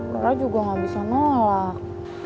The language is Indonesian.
karena juga gak bisa nolak